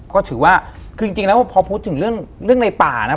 คือจริงแล้วพอพูดถึงเรื่องในป่านะ